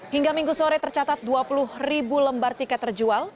hingga minggu sore tercatat dua puluh ribu lembar tiket terjual